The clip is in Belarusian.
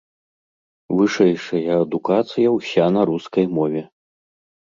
Вышэйшая адукацыя ўся на рускай мове.